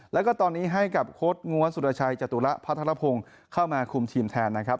แล้วก็ตอนนี้ให้กับโค้ดง้วนสุรชัยจตุระพัฒนภงเข้ามาคุมทีมแทนนะครับ